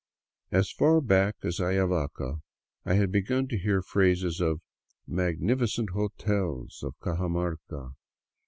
As far back as Ayavaca I had begun to hear praises of the " mag nificent hotels " of Cajamarca.